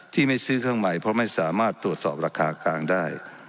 ไม่ซื้อเครื่องใหม่เพราะไม่สามารถตรวจสอบราคากลางได้